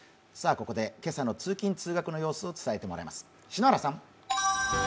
ここで今朝の通勤・通学の様子を伝えてもらいます。